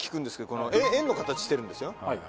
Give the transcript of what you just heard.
この円の形してるんですよ。